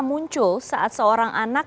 muncul saat seorang anak